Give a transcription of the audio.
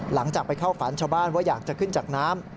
หลังจากไปเข้าฝันชาวบ้านว่าอยากจะขึ้นจากน้ำ